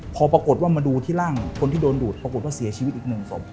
พอปรากฏว่ามาดูที่ร่างคนที่โดนดูดปรากฏว่าเสียชีวิตอีกหนึ่งศพ